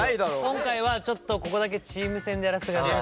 今回はちょっとここだけチーム戦でやらせてください。